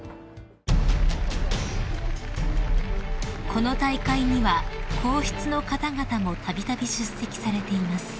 ［この大会には皇室の方々もたびたび出席されています］